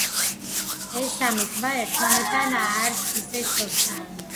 ეს სამი ტბა ერთმანეთთან არც ისე შორსაა.